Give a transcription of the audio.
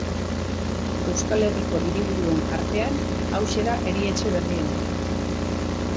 Euskal Herriko hiriburuen artean, hauxe da erietxe berriena.